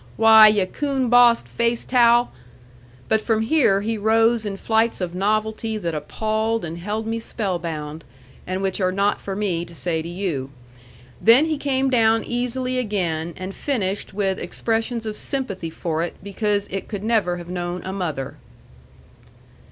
Why, yu' coon bossed face towel " But from here he rose in flights of novelty that appalled and held me spellbound, and which are not for me to say to you. Then he came down easily again, and finished with expressions of sympathy for it because it could never have known a mother.